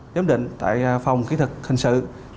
giám định tại phòng kỹ thực hình sự